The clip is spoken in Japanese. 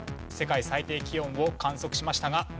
世界最低気温を観測しましたが。